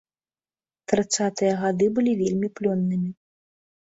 Трыццатыя гады былі вельмі плённымі.